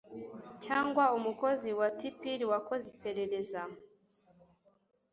cyangwa umukozi wa tpir wakoze iperereza